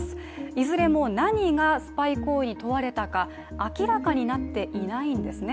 いずれも何がスパイ行為に問われたか明らかになっていないんですね。